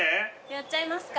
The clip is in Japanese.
やっちゃいますか。